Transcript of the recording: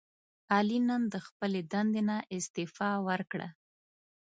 علي نن د خپلې دندې نه استعفا ورکړه.